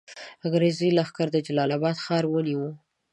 انګرېز لښکرو جلال آباد ښار ونیوی.